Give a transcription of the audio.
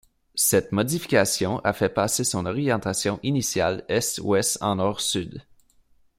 Cette modification a fait passer son orientation initiale est-ouest en nord-sud.